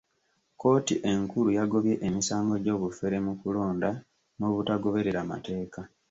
Kkooti enkulu yagobye emisango gy'obufere mu kulonda n'obutagoberera mateeka.